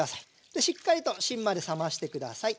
しっかりと芯まで冷まして下さい。